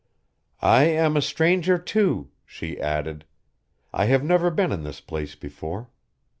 "I am a stranger, too," she added. "I have never been in this place before.